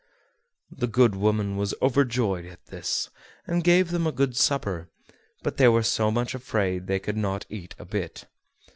The good woman was overjoyed at this, and gave them a good supper; but they were so much afraid they could not eat a bit.